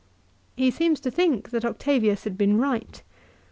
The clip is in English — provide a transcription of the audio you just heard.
He seems to think that Octavius had been right